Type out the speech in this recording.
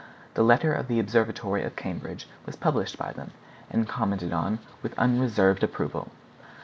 The letter of the Observatory of Cambridge was published by them, and commented upon with unreserved approval.